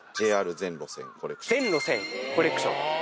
全路線コレクション？